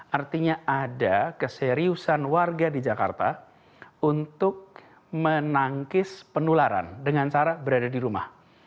artinya ada keseriusan warga di jakarta untuk menangkis penularan dengan cara berada di rumah